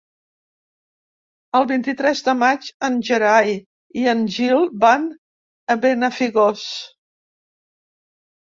El vint-i-tres de maig en Gerai i en Gil van a Benafigos.